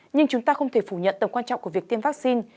nhưng chúng ta không thể phủ nhận tầm quan trọng của việc tiêm vaccine